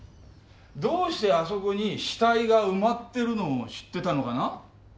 どうしてあそこに死体が埋まってるのを知ってたのかな？